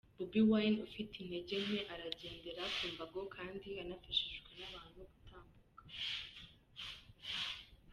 Bobi Wine ufite intege nke, aragendera ku mbago kandi anafashijwe n’abantu gutambuka.